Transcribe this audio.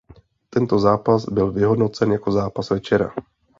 Tento zápas byl vyhodnocen jako zápas večera.